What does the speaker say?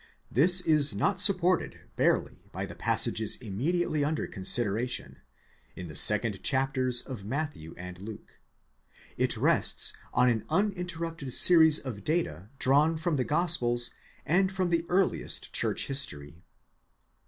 This is not supported barely by the passages immediately under consideration, in the 2nd chapters of Matthew and Luke ;—it rests on an uninterrupted series of data drawn from the Gospels and from the earliest church history.